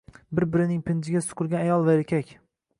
Bir-birining pinjiga suqilgan ayol bilan erkak.